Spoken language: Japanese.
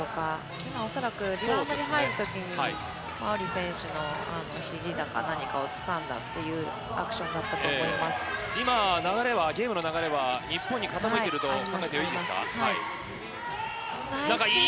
今、恐らく、リバウンドに入るときに、馬瓜選手のひじだか何かをつかんだっていうアクションだったと思今、流れは、ゲームの流れは、日本に傾いてると考えていいですか？